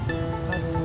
terus lu maunya gimana